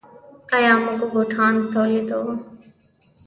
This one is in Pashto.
آیا موږ بوټان تولیدوو؟